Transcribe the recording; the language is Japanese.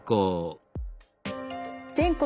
全国